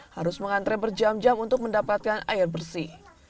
harus mengantre berjam jam untuk mendapatkan air bersih